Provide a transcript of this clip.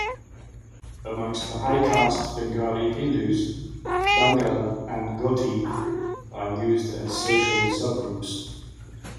Amongst the high-caste Bengali Hindus, "Bangal" and "Ghoti" are used as social sub-groups.